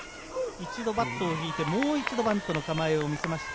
一度バットを引いてもう一度バントの構えを見せました